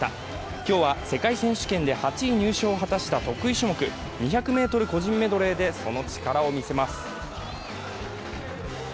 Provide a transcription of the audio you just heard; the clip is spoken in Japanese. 今日は、世界選手権で８位入賞を果たした得意種目２００ｍ個人メドレーでその力を見せます。